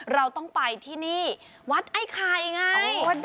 เราต้องไปที่นี่วัดไอ้ไข่ไง